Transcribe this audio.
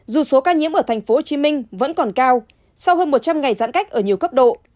dù số ca nhiễm ở tp hcm vẫn còn cao sau hơn một trăm linh ngày giãn cách ở nhiều cấp độ